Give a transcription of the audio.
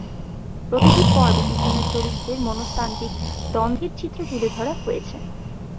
প্রতিটি পর্বে বিভিন্ন চরিত্রের মনস্তাত্ত্বিক দ্বন্দ্বের চিত্র তুলে ধরা হয়েছে।